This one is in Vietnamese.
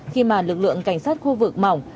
khi mà lực lượng cảnh sát khu vực mỏng